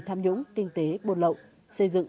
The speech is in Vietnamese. tham nhũng kinh tế buôn lậu xây dựng